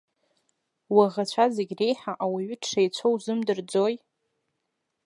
Уаӷацәа зегь реиҳа ауаҩы дшеицәоу узымдырӡои?!